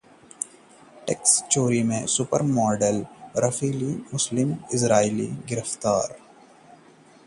tax चोरी case में supermodel Refaeli गिरफ्तार